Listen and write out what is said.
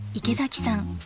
池崎さん